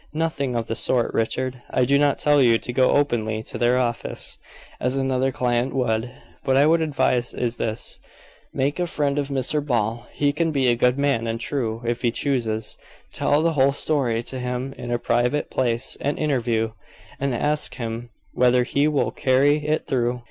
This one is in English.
"Nothing of the sort, Richard. I do not tell you to go openly to their office, as another client would. What I would advise is this make a friend of Mr. Ball; he can be a good man and true, if he chooses; tell the whole story to him in a private place and interview, and ask him whether he will carry it through.